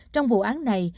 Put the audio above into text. trong vụ án này